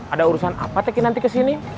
ada urusan apa teki nanti kesini